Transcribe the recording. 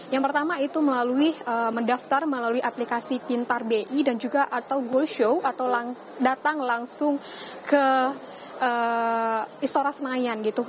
yang pertama itu melalui mendaftar melalui aplikasi pintar bi dan juga atau goal show atau datang langsung ke istora senayan gitu